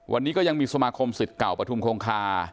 วันนี้ก็ยังมีสมาคมสิทธิ์เก่าปฐุมคงคา